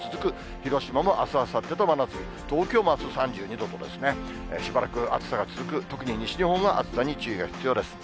広島もあす、あさってと真夏日、東京もあす３２度と、しばらく暑さが続く、特に西日本は暑さに注意が必要です。